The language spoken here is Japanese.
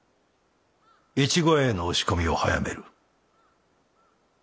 越後屋への押し込みを早める。